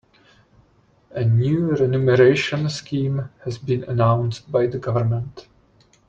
A new renumeration scheme has been announced by the government.